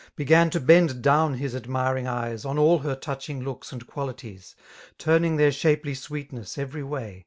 Began to bend down his admiring eyes On all her touching looks and qualities. Turning their shapely sweetness every way.